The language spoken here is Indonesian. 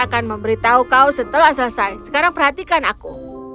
akan memberitahu kau setelah selesai sekarang perhatikan aku